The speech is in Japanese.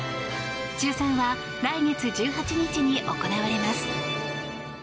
抽選は来月１８日に行われます。